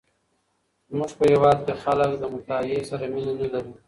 زمونږ په هیواد کې خلک له مطالعې سره مینه نه لري.